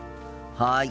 はい。